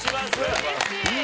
うれしい。